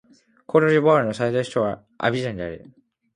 コートジボワールの最大都市はアビジャンである